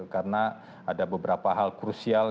karena ada beberapa hal krusial